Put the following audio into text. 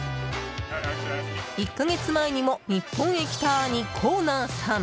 １か月前にも日本へ来た兄コーナーさん。